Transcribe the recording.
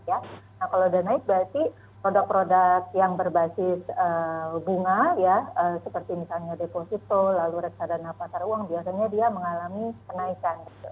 nah kalau sudah naik berarti produk produk yang berbasis bunga ya seperti misalnya deposito lalu reksadana pasar uang biasanya dia mengalami kenaikan